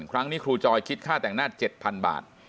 ครั้งนี้ครูจอยคิดค่าแต่งหน้า๗๐๐บาท